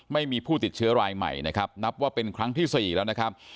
ไม่มีผู้ติดเชื้อรายใหม่นะครับนับว่าเป็นครั้งที่๔แล้วนะครับ